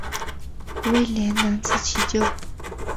威廉难辞其咎。